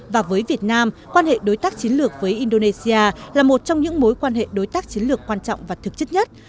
và với việt nam quan hệ đối tác chiến lược với indonesia là một trong những mối quan hệ đối tác chiến lược quan trọng và thực chất nhất